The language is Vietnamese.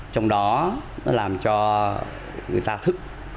trong đó nó làm cho người ta thức